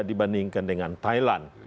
dibandingkan dengan thailand